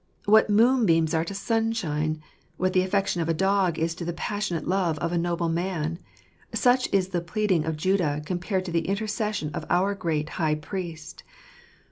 What moonbeams are to sunshine; what the affection of a dog is to the passionate love of a noble man — such is the pleading of Judah compared to the intercession of our great High Priest